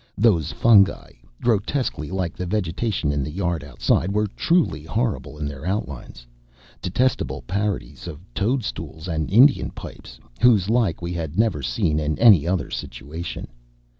Those fungi, grotesquely like the vegetation in the yard outside, were truly horrible in their outlines; detestable parodies of toadstools and Indian pipes, whose like we had never seen in any other situation.